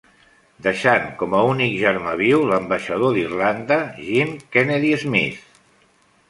Deixant com a únic germà viu l'ambaixador d'Irlanda, Jean Kennedy Smith.